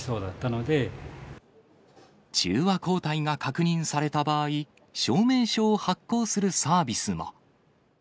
中和抗体が確認された場合、証明書を発行するサービスも。